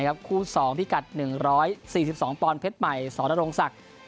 คู่สองภิกัด๑๔๒ปอลเพชรใหม่สสระตรงศักดิ์